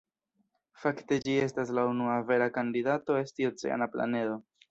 Fakte ĝi estas la unua vera kandidato esti oceana planedo.